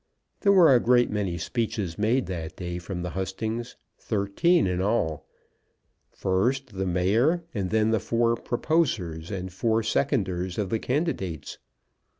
There were a great many speeches made that day from the hustings, thirteen in all. First the mayor, and then the four proposers and four seconders of the candidates.